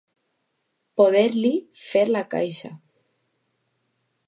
Poder-li fer la caixa.